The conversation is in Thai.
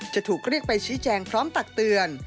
จะถูกเรียกไปชี้แจงพร้อมตักเตือน